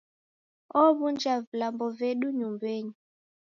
Ow'unja vilambo vedu nyumbenyi.